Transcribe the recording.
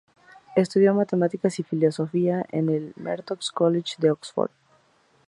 Estudió matemáticas y filosofía en el Merton College de Oxford.